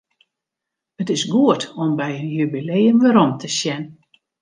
It is goed om by in jubileum werom te sjen.